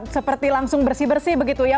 seperti langsung bersih bersih begitu ya